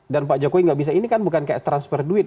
dan pak jokowi nggak bisa ini kan bukan kayak transfer duit